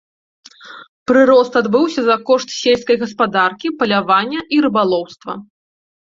Прырост адбыўся за кошт сельскай гаспадаркі, палявання і рыбалоўства.